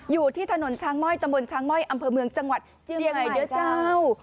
อยู่ที่ถนนช้างม่อยตำบลช้างม่อยอำเภอเมืองจังหวัดเชียงใหม่เด้อเจ้า